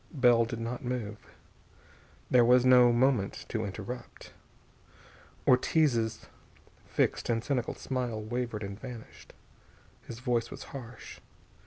Bell did not move. This was no moment to interrupt. Ortiz's fixed and cynical smile wavered and vanished. His voice was harsh.